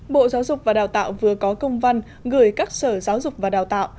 bộ giáo dục và đào tạo vừa có công văn gửi các sở giáo dục và đào tạo